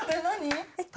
何？